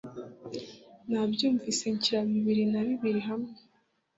Nabyumvise nshyira bibiri na bibiri hamwe